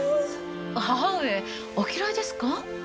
母上お嫌いですか？